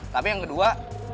tapi yang kedua